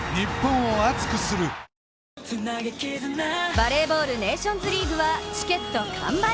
バレーボール、ネーションズリーグはチケット完売。